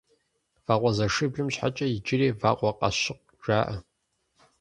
Вагъуэзэшиблым щхьэкӏэ иджыри Вагъуэкъащыкъ жаӏэ.